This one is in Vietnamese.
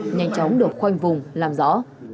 nhanh chóng được khoanh vùng làm rõ